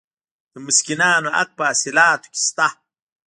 د مسکینانو حق په حاصلاتو کې شته.